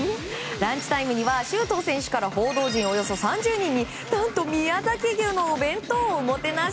ランチタイムには周東選手から報道陣およそ３０人に何と宮崎牛のお弁当おもてなし。